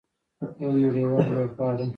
یو نړیوال لوبغاړی.